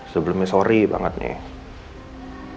sebelumnya sorry banget nih